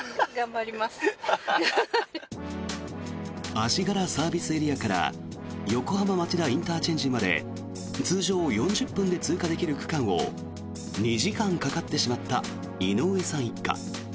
足柄ＳＡから横浜町田ＩＣまで通常４０分で通過できる区間を２時間かかってしまった井上さん一家。